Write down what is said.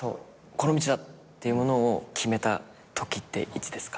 この道だっていうものを決めたときっていつですか？